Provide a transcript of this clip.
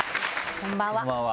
こんばんは。